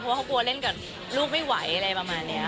เพราะว่าเขากลัวเล่นกับลูกไม่ไหวอะไรประมาณนี้